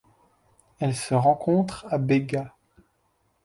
Elle se rencontre à Bega.